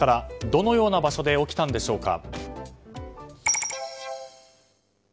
どのような場所で起きたんでしょうか。